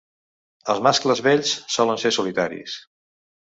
Els mascles vells solen ser solitaris.